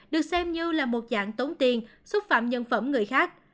được xem như là một dạng tốn tiền xúc phạm nhân phẩm người khác